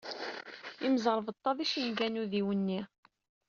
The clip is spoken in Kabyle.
Imẓerbeḍḍa d icenga n udiwenni.